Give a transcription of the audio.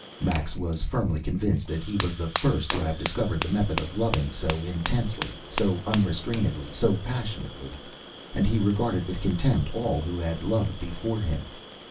Max was firmly convinced that he was the first to have discovered the method of loving so intensely, so unrestrainedly, so passionately, and he regarded with contempt all who had loved before him.